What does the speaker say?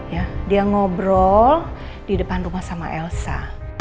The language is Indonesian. ya dia ngobrol di depan rumah sama elsa